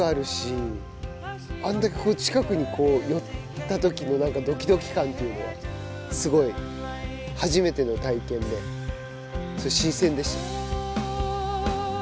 あんだけ近くに寄った時の何かドキドキ感っていうのはすごい初めての体験で新鮮でした。